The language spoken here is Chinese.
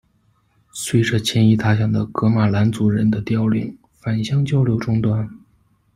随着迁移他乡的噶玛兰族人的凋零，返乡交流中断。